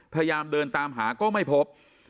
พยายามเดินตามหาก็ไม่พบ